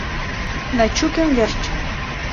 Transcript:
Начукем верч...